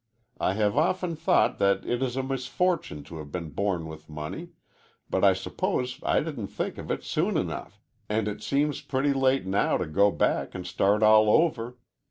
I have often thought that it is a misfortune to have been born with money, but I suppose I didn't think of it soon enough, and it seems pretty late now to go back and start all over.